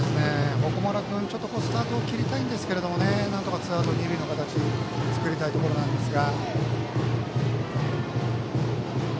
鉾丸君スタートを切りたいんですけどなんとかツーアウト、二塁の形を作りたいところですが。